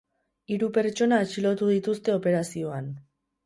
Hiru pertsona atxilotu dituzte operazioan.